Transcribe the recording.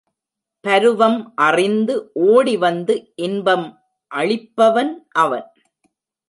பருவம் அறிந்து ஓடி வந்து இன்பம் அளிப்பவன் அவன்.